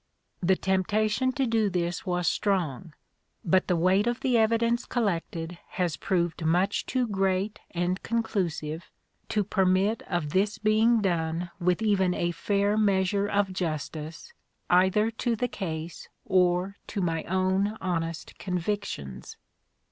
The temptation to do this was strong, but the weight of the evidence collected has proved much too great and conclusive to permit of this being done with even a fair measure of justice either to the case or to my own honest convictions.